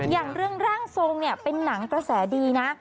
อย่างเรื่องร่างทรงเนี่ยเป็นหนังกระแสดีนะ